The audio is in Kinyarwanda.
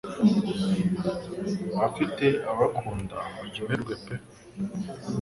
abafite ababakunda muryoherwe pe